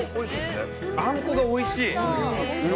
あんこがおいしい。